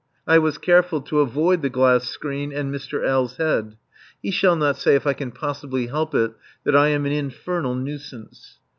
I was careful to avoid the glass screen and Mr. L.'s head. He shall not say, if I can possibly help it, that I am an infernal nuisance.